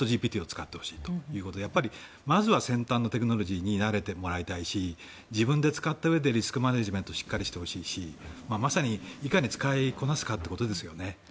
使ってほしいということでまずは先端のテクノロジーに慣れてほしいし自分で使ったうえでリスクマネジメントをしっかりとしてほしいしまさに、いかに使いこなすかということですよね。